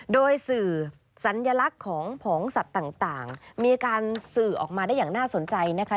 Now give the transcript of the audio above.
โดยสื่อสัญลักษณ์ของผองสัตว์ต่างมีการสื่อออกมาได้อย่างน่าสนใจนะคะ